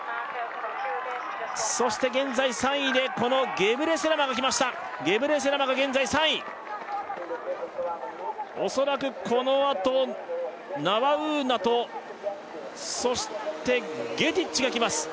そして現在３位でこのゲブレセラマが来ましたゲブレセラマが現在３位恐らくこのあとナワウーナとそしてゲティッチが来ます